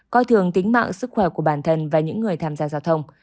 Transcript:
coi thường tính mạng sức khỏe của bản thân và những người tham gia giao thông